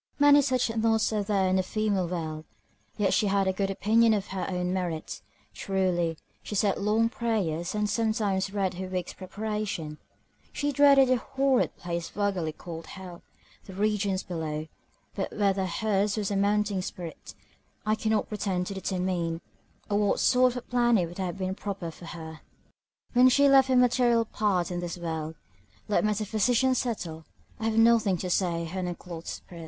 Many such noughts are there in the female world! yet she had a good opinion of her own merit, truly, she said long prayers, and sometimes read her Week's Preparation: she dreaded that horrid place vulgarly called hell, the regions below; but whether her's was a mounting spirit, I cannot pretend to determine; or what sort of a planet would have been proper for her, when she left her material part in this world, let metaphysicians settle; I have nothing to say to her unclothed spirit.